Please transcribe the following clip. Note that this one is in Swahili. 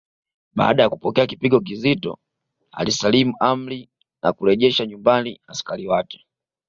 Baada ya kupokea kipigo kizito alisalimu amri na kurejesha nyumbani askari wake